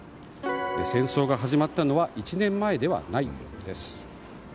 戦争が始まったのは１年前ではない、です。